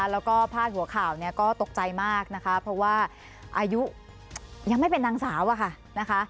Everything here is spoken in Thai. แล้วก็พาดหัวข่าวเนี่ยก็ตกใจมากนะคะเพราะว่าอายุยังไม่เป็นนางสาวอะค่ะนะคะ